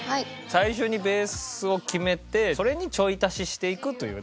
最初にベースを決めてそれにちょい足ししていくという。